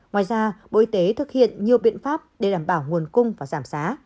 ngoài ra bộ y tế thực hiện nhiều biện pháp để đảm bảo nguồn cung và giảm giá